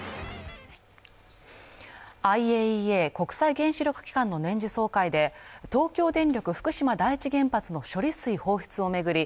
ＩＡＥＡ＝国際原子力機関の年次総会で東京電力福島第一原発の処理水放出を巡り